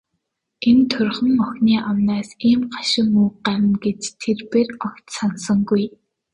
Энэ турьхан охины амнаас ийм гашуун үг гарна гэж тэр бээр огт санасангүй.